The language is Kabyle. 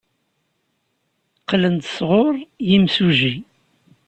Qqlen-d sɣur yimsujji.